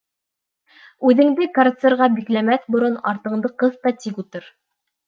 Үҙеңде карцерға бикләмәҫ борон, артыңды ҡыҫ та тик ултыр!